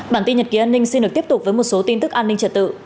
bản tin nhật ký an ninh xin được tiếp tục với một số tin tức an ninh trật tự